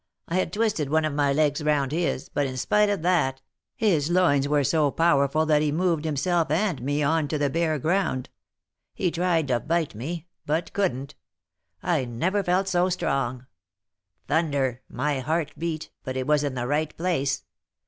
I had twisted one of my legs around his, but, in spite of that, his loins were so powerful that he moved himself and me on to the bare ground. He tried to bite me, but couldn't; I never felt so strong. Thunder! my heart beat, but it was in the right place.